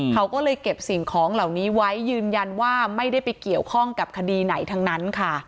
เขาก็เลยเก็บสิ่งของเหล่านี้ไว้ยืนยันว่าไม่ได้ไปเกี่ยวข้องกับคดีไหนทั้งนั้นค่ะ